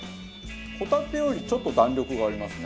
ホタテよりちょっと弾力がありますね。